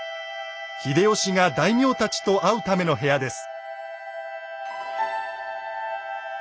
秀吉が大名たちと会うための部屋です。